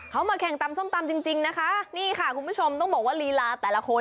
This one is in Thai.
เขามาแข่งตำส้มตำจริงจริงนะคะนี่ค่ะคุณผู้ชมต้องบอกว่าลีลาแต่ละคน